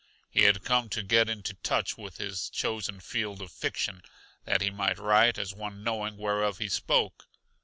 He had come to get into touch with his chosen field of fiction, that he might write as one knowing whereof he spoke.